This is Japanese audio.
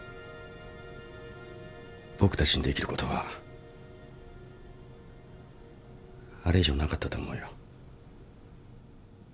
僕たちにできることはあれ以上なかったと思うよ。